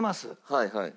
はいはい。